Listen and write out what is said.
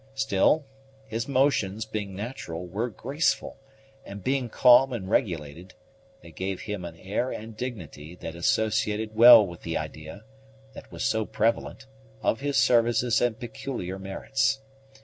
Still, his motions, being natural, were graceful, and, being calm and regulated, they gave him an air and dignity that associated well with the idea, which was so prevalent, of his services and peculiar merits.